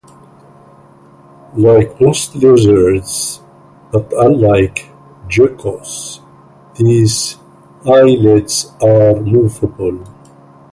Like most lizards, but unlike geckos, these eyelids are movable.